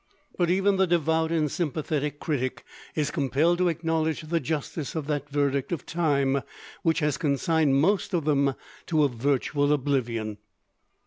But even the devout and sympathetic critic is compelled to acknowledge the justice of that verdict of time which has consigned most of them to a virtual oblivion.